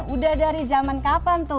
udah dari zaman kapan tuh